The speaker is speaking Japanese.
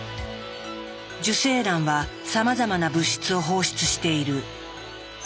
受精卵はさまざまな物質を放出している。